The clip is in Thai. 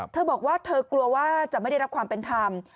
เธอบอกว่าเธอกลัวว่าจะไม่ได้รับความเป็นธรรม